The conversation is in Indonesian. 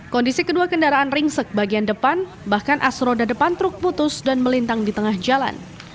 kondisi kedua kendaraan ringsek bagian depan bahkan asroda depan truk putus dan melintang di tengah jalan